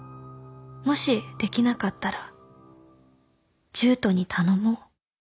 「もしできなかったらジュートに頼もう」